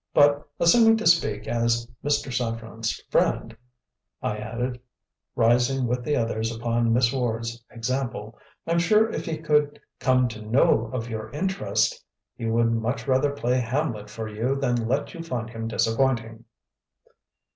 But, assuming to speak as Mr. Saffren's friend," I added, rising with the others upon Miss Ward's example, "I'm sure if he could come to know of your interest, he would much rather play Hamlet for you than let you find him disappointing."